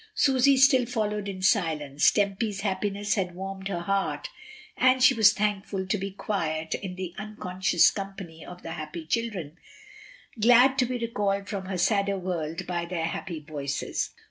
Susy still followed in silence; Tempy's happiness had warmed her heart, and she was thankful to be quiet in the unconscious company of the happy children; glad to be recalled from her sadder world by their happy voices.